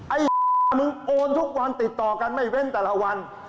ไอ้มึงโอนทุกวันติดต่อกันไม่เว้นแต่ละวัน